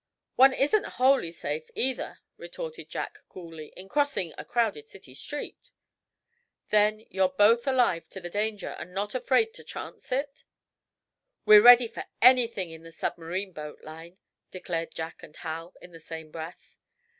"One isn't wholly safe, either," retorted Jack, coolly, "in crossing a crowded city street." "Then you're both alive to the danger, but not afraid to chance it?" "We're ready for anything in the submarine boat line," declared Jack and Hal, in the same breath.